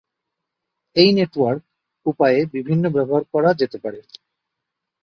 এই নেটওয়ার্ক উপায়ে বিভিন্ন ব্যবহার করা যেতে পারে।